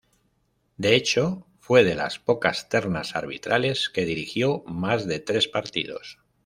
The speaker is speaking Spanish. De hecho, fue de las pocas ternas arbitrales que dirigió más de tres partidos.